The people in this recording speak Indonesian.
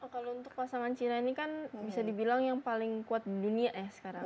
kalau untuk pasangan cina ini kan bisa dibilang yang paling kuat di dunia ya sekarang